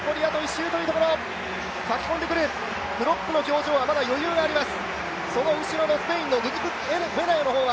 クロップの表情はまだ余裕があります。